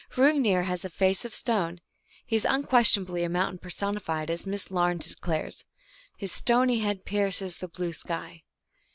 Hrungnir has a face of stone ; he is unquestionably a mountain personified, as Miss Lamed declares :" His stony head pierces the blue sky."